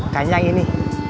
kan yang ini